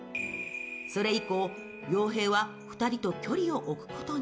それ以降、洋平は２人と距離を置くことに。